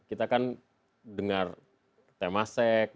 kita kan dengar tema seks